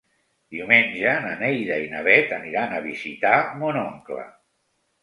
Diumenge na Neida i na Bet aniran a visitar mon oncle.